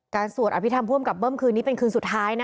การสวดอภิธรรมร่วมกับเบิ้ลมคืนนี้เป็นคืนสุดท้ายนะคะ